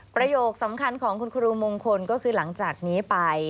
ประโยคสำคัญของคุณครูมงคลก็คือหลังจากนี้ไป